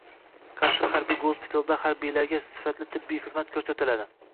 Qarshi harbiy gospitalida harbiylarga sifatli tibbiy xizmat ko‘rsatiladi